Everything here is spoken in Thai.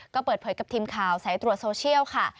ก็เปิดเผยกับทีมข่าวสายตรวจโซเชียลค่ะ